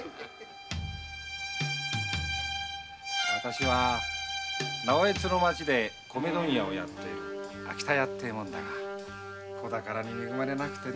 私は直江津で米問屋をやっている秋田屋って者だが子宝に恵まれなくて。